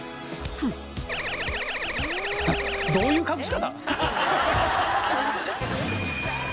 どういう隠し方！？